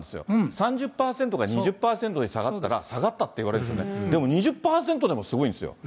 ３０％が２０％に下がったら、下がったっていわれる、でも２０％でもすごいんですよ。